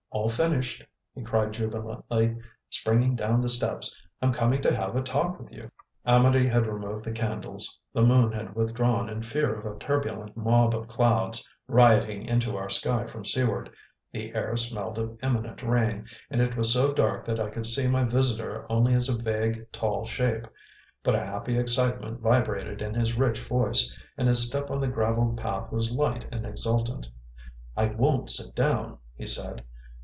All finished," he cried jubilantly, springing down the steps. "I'm coming to have a talk with you." Amedee had removed the candles, the moon had withdrawn in fear of a turbulent mob of clouds, rioting into our sky from seaward; the air smelled of imminent rain, and it was so dark that I could see my visitor only as a vague, tall shape; but a happy excitement vibrated in his rich voice, and his step on the gravelled path was light and exultant. "I won't sit down," he said.